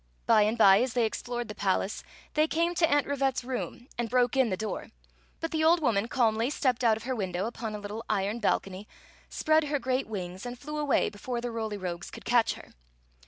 By and by, as they explored the palace, they came to Aunt Rivette's room and broke in the door ; but the old woman calmly stepped out of her window upon a little iron balcony, spread her great wings, and flew away before the RoIy Rogues could catch her.